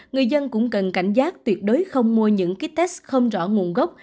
người dân cũng cần cảnh giác tuyệt đối không mua những ký test không rõ nguồn gốc